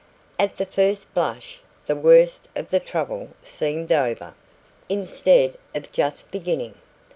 And at the first blush the worst of the trouble seemed over, instead of just beginning.